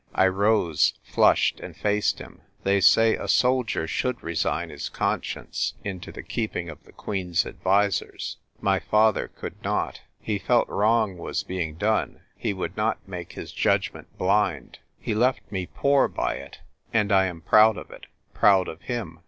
I rose, flushed, and faced him. " They say a soldier should resign his conscience into the keeping^ of the Queen's advisers. My father 144 THE TYPE WUITER GIRL. could not. He felt wrong v/as being done. He would not make his judgment blind. He left me poor by it ; and I am proud of it — proud of him."